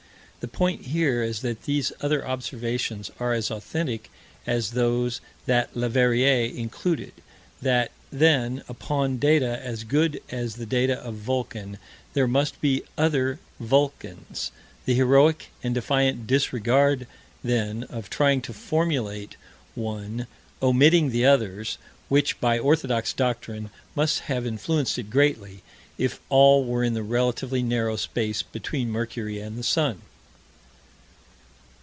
The point here is that these other observations are as authentic as those that Leverrier included; that, then, upon data as good as the data of "Vulcan," there must be other "Vulcans" the heroic and defiant disregard, then, of trying to formulate one, omitting the others, which, by orthodox doctrine, must have influenced it greatly, if all were in the relatively narrow space between Mercury and the sun.